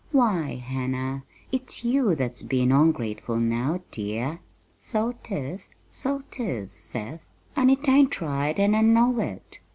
"Why, Hannah, it's you that's bein' ongrateful now, dear!" "So 'tis, so 'tis, Seth, an' it ain't right an' I know it.